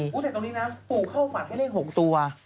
อุ๊ยแต่ตรงนี้นะปูเข้าฝันแค่เล่น๖ตัว